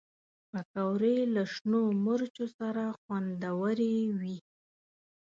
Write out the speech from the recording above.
پکورې له شنو مرچو سره خوندورې وي